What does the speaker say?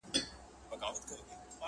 اوس ماشومان وینم له پلاره سره لوبي کوي!!